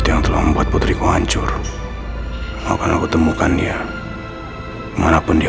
tunggu perintah saya selanjutnya